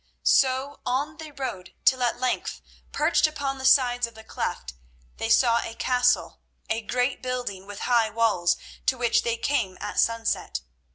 So on they rode till at length, perched upon the sides of the cleft, they saw a castle, a great building, with high walls, to which they came at sunset.